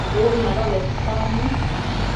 Cun mado bedtannu